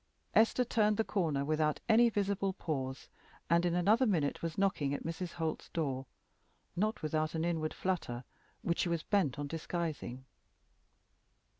Esther turned the corner without any visible pause, and in another minute was knocking at Mrs. Holt's door, not without an inward flutter, which she was bent on disguising.